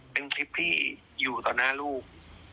เป็นคลิปที่อยู่ต่อหน้าลูก